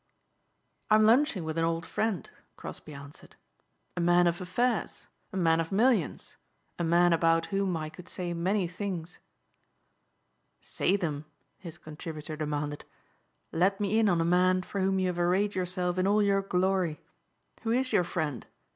"I'm lunching with an old friend," Crosbeigh answered, "a man of affairs, a man of millions, a man about whom I could say many things." "Say them," his contributor demanded, "let me in on a man for whom you have arrayed yourself in all your glory. Who is your friend?